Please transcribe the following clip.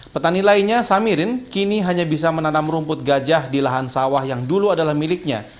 petani lainnya samirin kini hanya bisa menanam rumput gajah di lahan sawah yang dulu adalah miliknya